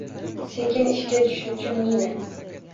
«Sekin ishga tushuvchi mina»